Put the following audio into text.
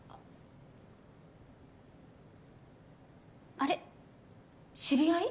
あれ知り合い？